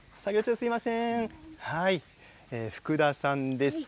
福田さんです。